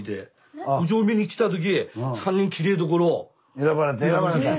選ばれた。